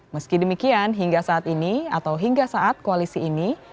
meski demikian hingga saat ini atau hingga saat koalisi ini